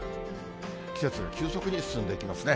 季節が急速に進んでいきますね。